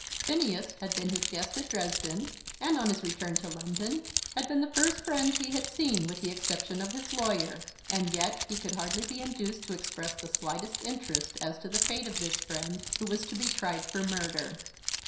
Phineas had been his guest at Dresden; and, on his return to London, had been the first friend he had seen, with the exception of his lawyer. And yet he could hardly be induced to express the slightest interest as to the fate of this friend who was to be tried for murder.